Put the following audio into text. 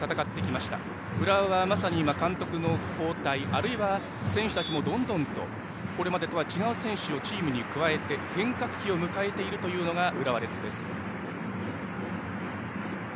まさに浦和は監督の交代あるいは、選手たちもどんどんとこれまでとは違う選手をチームに加えて変革期を迎えているという浦和レッズです。